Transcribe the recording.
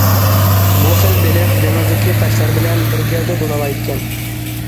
بۇ خىل بېلىق دېڭىزدىكى تاشلار بىلەن بىر گەۋدە بولالايدىكەن.